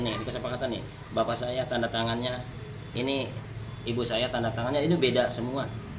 ini kesepakatan nih bapak saya tanda tangannya ini ibu saya tanda tangannya ini beda semua